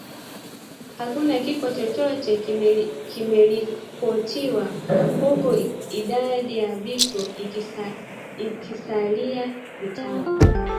Hakuna kifo chochote kimeripotiwa huku idadi ya vifo ikisalia vitano